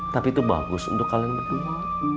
tapi itu bagus untuk kalian berdua